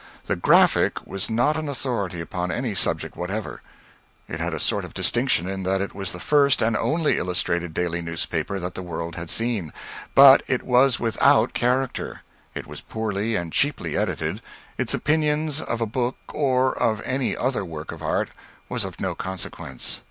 The "Graphic" was not an authority upon any subject whatever. It had a sort of distinction, in that it was the first and only illustrated daily newspaper that the world had seen; but it was without character; it was poorly and cheaply edited; its opinion of a book or of any other work of art was of no consequence.